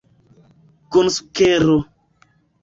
Kun sukero.